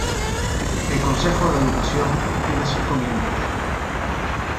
El consejo de educación tiene cinco miembros.